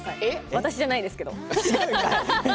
私じゃないですけど。